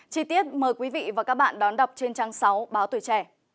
chi tiết mời quý vị và các bạn đón đọc trên trang sáu báo tùy trè